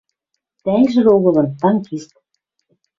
Тӓнгжӹ Роговын — танкист.